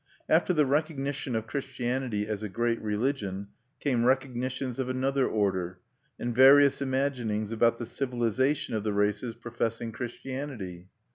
After the recognition of Christianity as a great religion came recognitions of another order, and various imaginings about the civilization of the races professing Christianity.